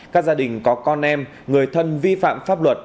các gia đình có con em người thân vi phạm pháp luật